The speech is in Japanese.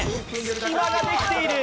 隙間ができている。